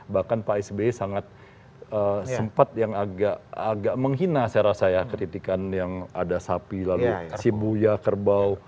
bahkan pak sby sangat sempat yang agak menghina saya rasa ya kritikan yang ada sapi lalu si buya kerbau